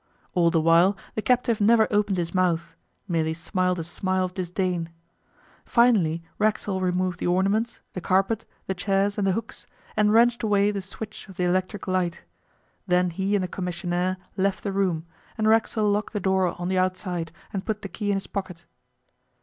All the while the captive never opened his mouth merely smiled a smile of disdain. Finally Racksole removed the ornaments, the carpet, the chairs and the hooks, and wrenched away the switch of the electric light. Then he and the commissionaire left the room, and Racksole locked the door on the outside and put the key in his pocket.